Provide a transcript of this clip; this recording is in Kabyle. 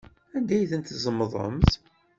Anda ay ten-tzemḍemt?